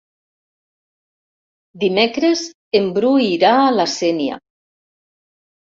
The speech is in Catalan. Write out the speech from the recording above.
Dimecres en Bru irà a la Sénia.